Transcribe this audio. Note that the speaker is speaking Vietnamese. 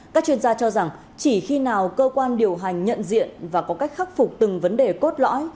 các chuyên gia cho rằng chỉ khi nào cơ quan điều hành nhận diện và có cách khắc phục từng vấn đề cốt lõi